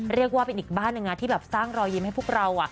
เรียกว่าเป็นอีกบ้านหนึ่งนะที่แบบสร้างรอยยิ้มให้พวกเรา